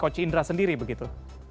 coach indra sendiri begitu